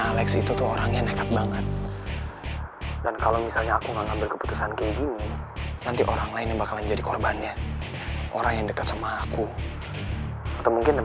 aku boleh minta tolong gak sama kamu